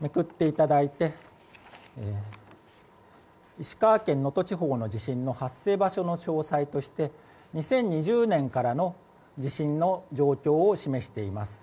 石川県能登地方の地震の発生場所の詳細として２０２０年からの地震の状況を示しています。